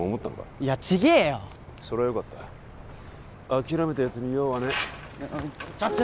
いやちげーよそりゃよかった諦めたやつに用はねえちょちょ